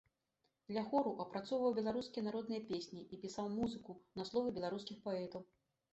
Для хору апрацоўваў беларускія народныя песні і пісаў музыку на словы беларускіх паэтаў.